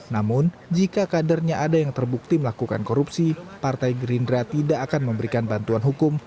namun jika kadernya ada yang terbukti melakukan korupsi partai gerindra tidak akan memberikan bantuan hukum